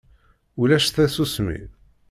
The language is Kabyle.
Ulac tasusmi.